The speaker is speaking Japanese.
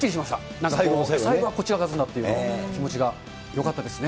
なんかこう、最後はこっちが勝つんだという気持ちがよかったですね。